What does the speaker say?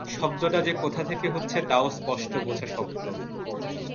শব্দটা যে কোথা থেকে হচ্ছে তাও স্পষ্ট বোঝা শক্ত।